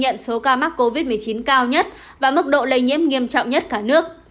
ghi nhận số ca mắc covid một mươi chín cao nhất và mức độ lây nhiễm nghiêm trọng nhất cả nước